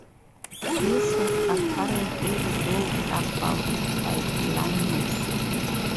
This was apparently brought about by blindness.